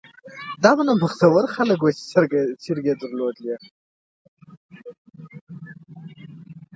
دا به نو بختور خلک وو چې چرګۍ یې درلوده.